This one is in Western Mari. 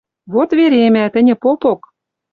Вот веремӓ, тӹньӹ попок